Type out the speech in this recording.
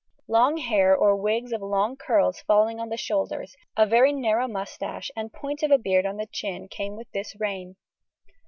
Long hair or wigs of long curls falling on the shoulders, a very narrow moustache and point of beard on the chin came with this reign.